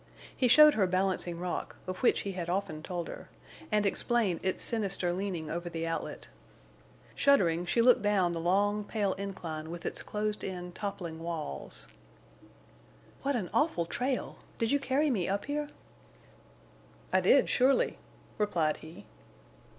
He showed her Balancing Rock, of which he had often told her, and explained its sinister leaning over the outlet. Shuddering, she looked down the long, pale incline with its closed in, toppling walls. "What an awful trail! Did you carry me up here?" "I did, surely," replied he.